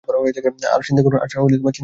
আর শিন্দে শোন।